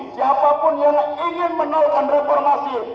siapapun yang ingin menaikkan reformasi